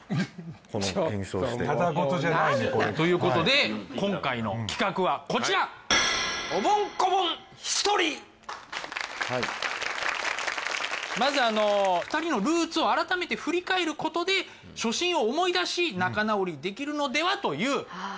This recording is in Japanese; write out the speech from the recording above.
この検証してちょっともう何なん！ということで今回の企画はこちらはいまずあの２人のルーツを改めて振り返ることで初心を思い出し仲直りできるのではというあ